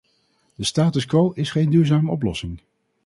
De status-quo is geen duurzame oplossing.